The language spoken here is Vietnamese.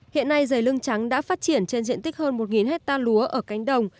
hiện nay dày lưng trắng đã phát triển trên diện tích hơn một hectare lúa ở cánh đồng